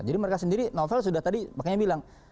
jadi mereka sendiri novel sudah tadi makanya bilang